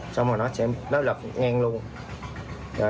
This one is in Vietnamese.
xong rồi nó lập ngang luôn